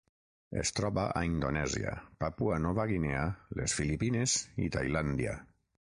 Es troba a Indonèsia, Papua Nova Guinea, les Filipines i Tailàndia.